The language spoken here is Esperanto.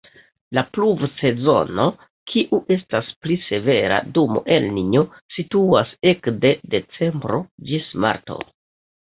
La pluvsezono, kiu estas pli severa dum El-Ninjo, situas ekde decembro ĝis marto.